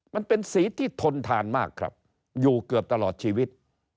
มันเป็นสีที่ทนทานมากครับอยู่เกือบตลอดชีวิต